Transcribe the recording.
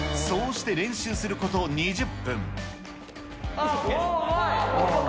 そうして練習すること２０分。